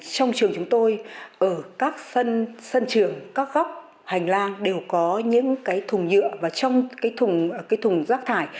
trong trường chúng tôi ở các sân trường các góc hành lang đều có những thùng nhựa và trong thùng rác thải